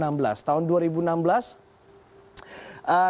kalau kita lihat dari nilai tukar rupiah